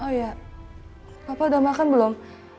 oh ya papa udah makan belum